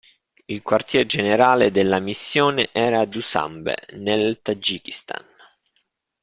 Il quartier generale della missione era a Dušanbe, nel Tagikistan.